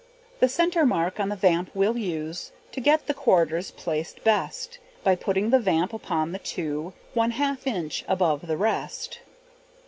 The centre mark on the vamp we'll use, To get the quarters placed best, By putting the vamp upon the two, One half inch above to rest.